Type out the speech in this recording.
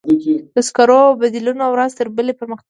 د سکرو بدیلونه ورځ تر بلې پرمختګ کوي.